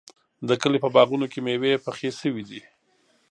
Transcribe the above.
د کلي په باغونو کې مېوې پخې شوې دي.